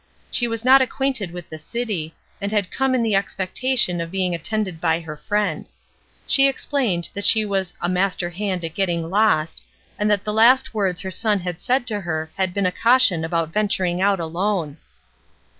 She was not acquainted with the city, and had come in the expectation of being attended by her friend. She explained that she was "a master hand at getting lost," and that the last words her son had said to her had been a caution about venturing out alone.